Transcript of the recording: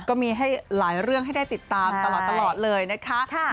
ก็มีให้หลายเรื่องให้ได้ติดตามตลอดเลยนะคะ